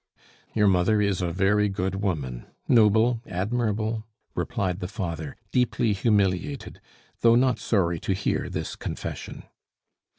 "Your mother is a very good woman, noble, admirable!" replied the father, deeply humiliated, though not sorry to hear this confession.